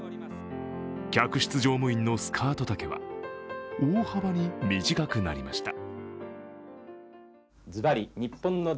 客室乗務員のスカート丈は大幅に短くなりました。